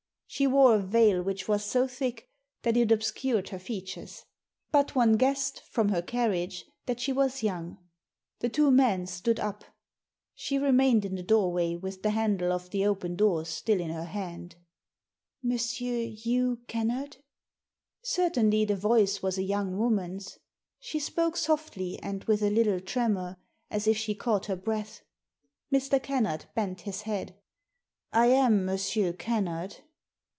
She wore a veil which was so thick that it obscured her features. But one guessed, from her carriage, that she was young. The two men stood up. She re mained in the doorway with the handle of the open door still in her hand. " Monsieur Hugh Kennard ?" Certainly, the voice was a young woman's. She spoke softly and with a little tremor, as if she caught Digitized by VjOOQIC THE ASSASSIN 173 her breath. Mr. Kennard bent his head *I am Monsieur Kennard."